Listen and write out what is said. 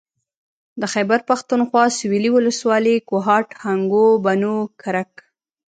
د خېبر پښتونخوا سوېلي ولسوالۍ کوهاټ هنګو بنو کرک